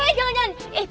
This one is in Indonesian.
eh jangan jangan